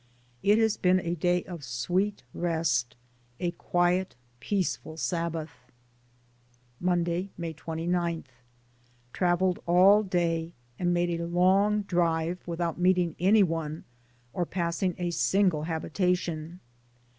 It has been a day of sweet rest, a quiet peace ful Sabbath. Monday, May 29. Traveled all day, and made a long drive without meeting anyone or passing a single habitation.